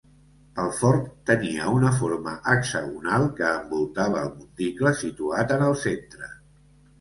El fort tenia una forma hexagonal que envoltava el monticle situat en el centre.